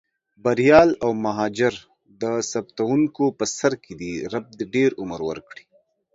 بریال او مهاجر د ثبتوونکو په سر کې دي، رب دې ډېر عمر ورکړي.